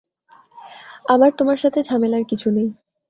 আমার তোমার সাথে ঝামেলার কিছু নেই।